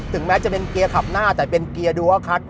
แม้จะเป็นเกียร์ขับหน้าแต่เป็นเกียร์ดูว่าคัด